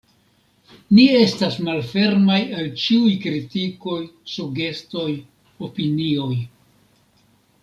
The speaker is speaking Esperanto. Ni estas malfermaj al ĉiuj kritikoj, sugestoj, opinioj.